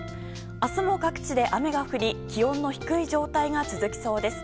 明日も各地で雨が降り気温の低い状態が続きそうです。